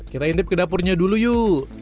kita intip ke dapurnya dulu yuk